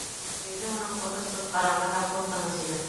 Йөҙө уның ҡот осҡос ҡараңғы һәм ҡурҡыныс ине.